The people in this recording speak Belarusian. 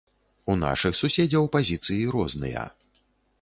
У нашых суседзяў пазіцыі розныя.